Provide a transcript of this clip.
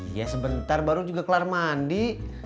iya sebentar baru juga kelar mandi